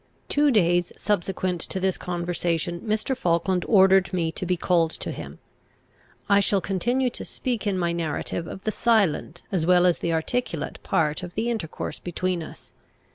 Two days subsequent to this conversation, Mr. Falkland ordered me to be called to him. [I shall continue to speak in my narrative of the silent, as well as the articulate part of the intercourse between us.